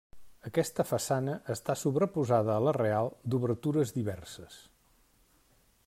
Aquesta façana està sobreposada a la real, d'obertures diverses.